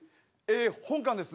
本官ですね